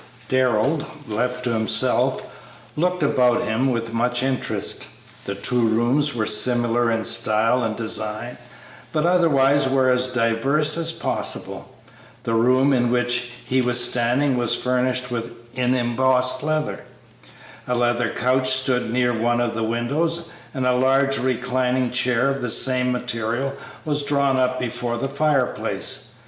Darrell, left to himself, looked about him with much interest. The two rooms were similar in style and design, but otherwise were as diverse as possible. The room in which he was standing was furnished in embossed leather. A leather couch stood near one of the windows, and a large reclining chair of the same material was drawn up before the fireplace.